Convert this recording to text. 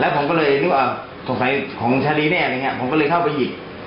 แล้วผมก็เลยนึกว่าสงสัยของชาลีแน่ผมก็เลยเข้าไปหยิบ